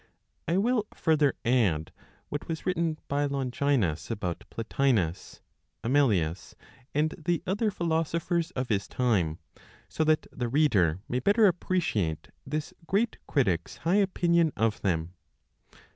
I will further add what was written by Longinus about Plotinos, Amelius, and the other philosophers of his time, so that the reader may better appreciate this great critic's high opinion of them.